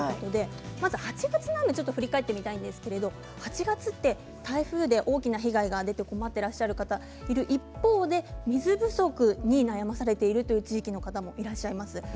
８月の雨を振り返ってみたいと思うんですが８月って台風で大きな被害が出て困ってらっしゃる方一方で水不足に悩まされているという地域の方もいらっしゃいます。